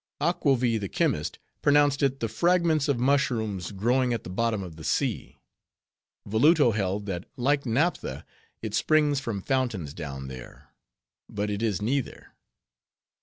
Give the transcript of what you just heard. "Aquovi, the chymist, pronounced it the fragments of mushrooms growing at the bottom of the sea; Voluto held, that like naptha, it springs from fountains down there. But it is neither."